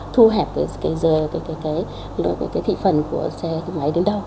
thu hẹp cái dời cái thị phần của xe máy đến đâu